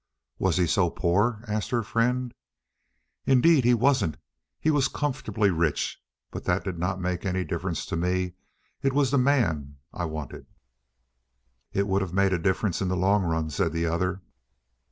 "Was he so poor?" asked her friend. "Indeed he wasn't. He was comfortably rich, but that did not make any difference to me. It was the man I wanted." "It would have made a difference in the long run," said the other.